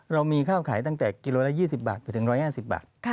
เรามีข้าวขายตั้งแต่กิโลละ๒๐บาทไปถึง๑๕๐บาท